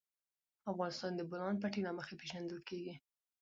افغانستان د د بولان پټي له مخې پېژندل کېږي.